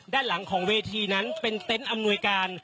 ด้านหลังของเวทีนั้นเป็นเต็นต์อำนวยการ